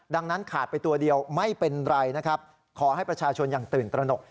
ดังนั้นขาดไปตัวเดียวไม่เป็นไรนะครับขอให้ประชาชนอย่างตื่นตระหนก